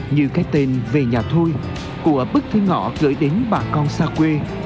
như cái tên về nhà thôi của bức thư ngỏ gửi đến bà con xa quê